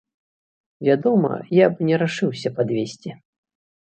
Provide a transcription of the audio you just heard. Вядома, я б не рашыўся падвесці.